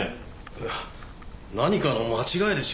いや何かの間違いでしょう。